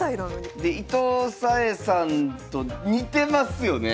で伊藤沙恵さんと似てますよね。